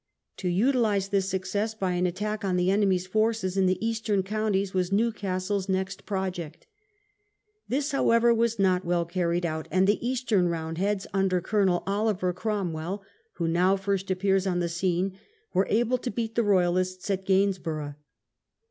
To utilize this success by an attack on the enemy's forces in the Eastern counties was Newcastle's next project. This, however, was not well carried out, and the Eastern Roundheads, under Colonel Oliver Cromwell, who now first appears on the. scene, were able to beat the Royalists at Gains borough.